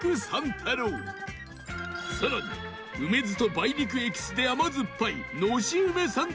太郎さらに梅酢と梅肉エキスで甘酸っぱいのし梅さん